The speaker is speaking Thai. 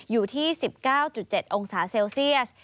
อยู่ที่๑๙๗องศาเซลเซียส